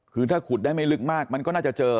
คือถ้าขุดได้ไม่ลึกมากมันก็น่าจะเจอ